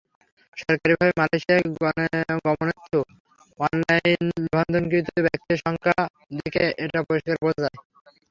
সরকারিভাবে মালয়েশিয়া গমনেচ্ছু অনলাইন নিবন্ধনকৃত ব্যক্তিদের সংখ্যা দেখে এটা পরিষ্কার বোঝা যায়।